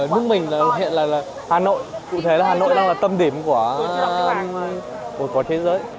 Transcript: lúc mình hiện là hà nội cụ thể là hà nội đang là tâm điểm của thế giới